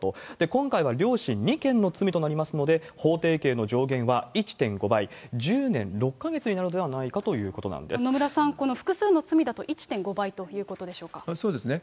今回は両親２件の罪となりますので、法定刑の上限は１．５倍、１０年６か月になるのではないかという野村さん、この複数の罪だとそうですね。